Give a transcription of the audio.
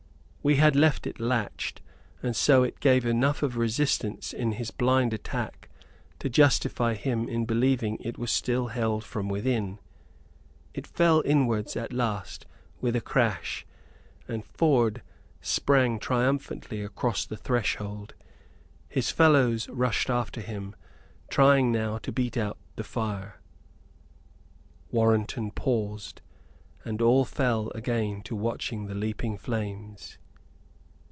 "We had left it latched; and so it gave enough of resistance in his blind attack to justify him in believing it was still held from within. It fell inwards, at last, with a crash; and Ford sprang triumphantly across the threshold. His fellows rushed after him, trying now to beat out the fire." Warrenton paused, and all fell again to watching the leaping flames.